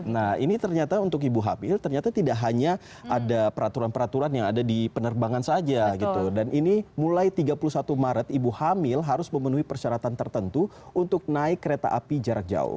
nah ini ternyata untuk ibu hamil ternyata tidak hanya ada peraturan peraturan yang ada di penerbangan saja gitu dan ini mulai tiga puluh satu maret ibu hamil harus memenuhi persyaratan tertentu untuk naik kereta api jarak jauh